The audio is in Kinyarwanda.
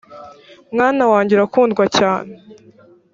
mwana wanjye urakundwa cyane